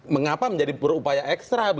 mengapa menjadi berupaya ekstra